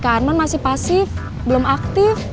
hp kak arman masih pasif belum aktif